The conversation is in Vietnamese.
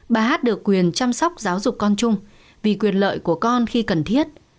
bà hát được quyền chăm sóc giáo dục con chung vì quyền lợi của con khi cần thiết